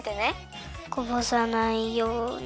こぼさないように。